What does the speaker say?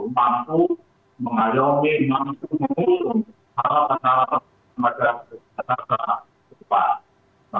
mampu mengadomi maksimal hal hal yang ada di daerah daerah